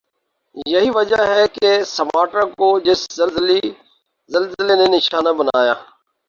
ور یہی وجہ ہی کہ سماٹرا کو جس زلزلی نی نشانہ بنایا